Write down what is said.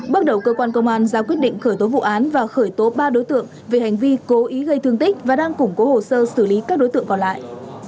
bước đầu cơ quan công an ra quyết định khởi tố vụ án và khởi tố ba đối tượng về hành vi cố ý gây thương tích và đang củng cố hồ sơ xử lý các đối tượng còn lại